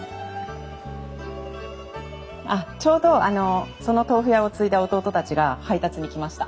あっちょうどあのその豆腐屋を継いだ弟たちが配達に来ました。